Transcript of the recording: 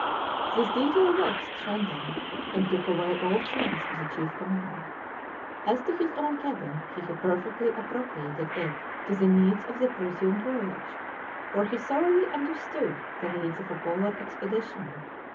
This detail vexed Shandon, and took away all chance of the chief command. As to his own cabin, he had perfectly appropriated it to the needs of the presumed voyage, for he thoroughly understood the needs of a Polar expedition.